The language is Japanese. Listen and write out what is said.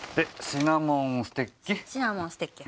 シナモンステッキ。